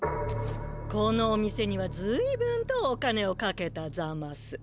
このお店にはずいぶんとお金をかけたざます。